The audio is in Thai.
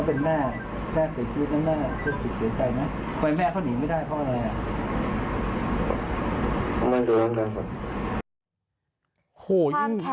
เป็นแม่เขาหนีไม่ได้เพราะอะไร